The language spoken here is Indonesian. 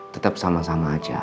tetap sama sama aja